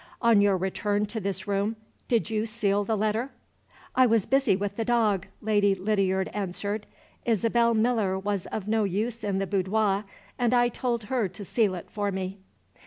On your return to this room, did you seal the letter?" "I was busy with the dog," Lady Lydiard answered. "Isabel Miller was of no use in the boudoir, and I told her to seal it for me."